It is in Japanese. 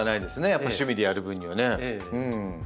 やっぱ趣味でやる分にはね。